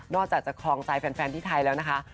อกจากจะครองใจแฟนที่ไทยแล้วนะคะ